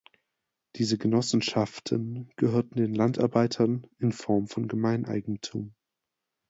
Diese Genossenschaften gehörten den Landarbeitern in Form von Gemeineigentum.